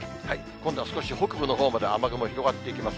今度は少し北部のほうまで雨雲広がっていきます。